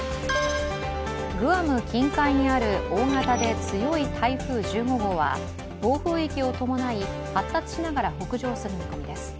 グアム近海にある大型で強い台風１５号は暴風域を伴い、発達しながら北上する見込みです。